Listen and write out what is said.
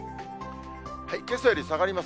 けさより下がります。